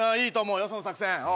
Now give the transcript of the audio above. いいと思うよその作戦。